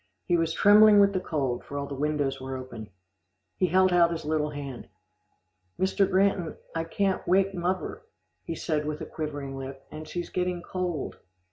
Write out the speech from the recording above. He was trembling with the cold, for all the windows were open. He held out his little hand. "Mr. Granton, I can't wake muvver," he said with quivering lip, "and she's getting cold."